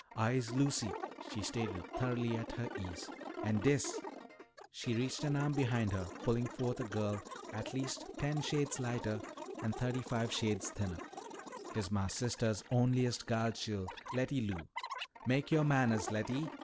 "I'se Lucy," she stated, thoroughly at her ease. "An' dis," she reached an arm behind her, pulling forth a girl at least ten shades lighter and thirty five shades thinner, "is mah sistah's onliest gal chil', Letty Lou. Mak' yo' mannahs, Letty.